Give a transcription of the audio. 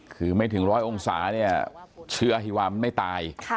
คือไม่ถึงร้อยองศาเนี่ยเชื้ออฮิวามันไม่ตาย